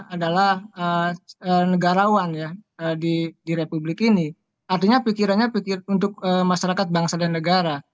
adalah negarawan ya di republik ini artinya pikirannya pikiran untuk masyarakat bangsa dan negara